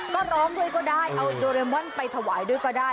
ก็ร้องด้วยก็ได้เอาโดเรมอนไปถวายด้วยก็ได้